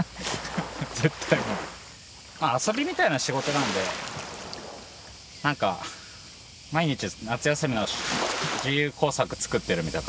まあ遊びみたいな仕事なのでなんか毎日夏休みの自由工作作ってるみたいな感じです。